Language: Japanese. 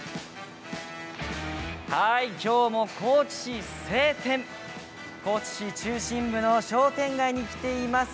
今日も高知市中心部の商店街に来ています。